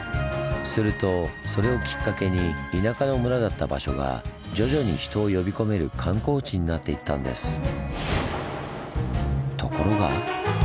するとそれをきっかけに田舎の村だった場所が徐々に人を呼び込める観光地になっていったんです。